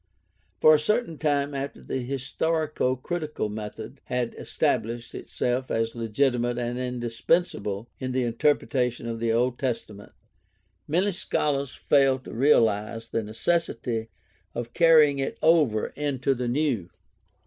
For a certain time after the historico critical method had estab lished itself as legitimate and indispensable in the interpre tation of the Old Testament many scholars failed to realize the necessity of carrying it over into the New.